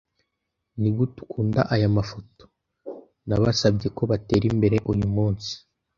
Nigute ukunda aya mafoto? Nabasabye ko batera imbere uyu munsi.